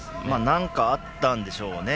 何かあったんでしょうね。